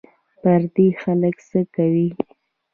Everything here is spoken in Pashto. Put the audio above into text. پردي خلک څه کوې